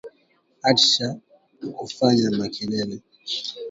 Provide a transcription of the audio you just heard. Atsha ku fanya makelele